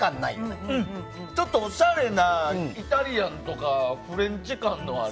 おしゃれなイタリアンとかフレンチ感がある。